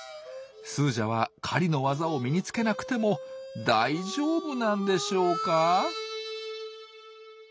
スージャは狩りの技を身につけなくても大丈夫なんでしょうか？